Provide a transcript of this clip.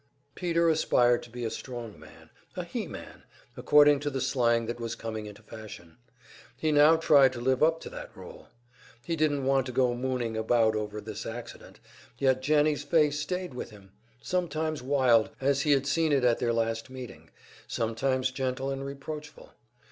Peter aspired to be a strong man, a "he man," according to the slang that was coming into fashion; he now tried to live up to that role. He didn't want to go mooning about over this accident; yet Jennie's face stayed with him sometimes wild, as he had seen it at their last meeting, sometimes gentle and reproachful.